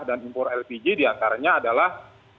dan impor lpg diantaranya adalah